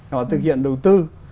họ thực hiện đầu tư